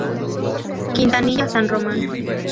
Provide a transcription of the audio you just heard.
Quintanilla San Roman.